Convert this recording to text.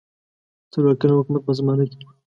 څلور کلن حکومت په زمانه کې.